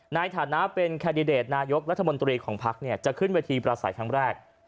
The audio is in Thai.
ในฐานะเป็นแคนดิเดตนายกรัฐมนตรีของภักดิ์จะขึ้นเวทีประสัยครั้งแรก